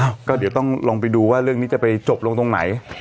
ก็เดี๋ยวต้องลองไปดูว่าเรื่องนี้จะไปจบลงตรงไหน